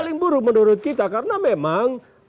paling buruk menurut kita karena memang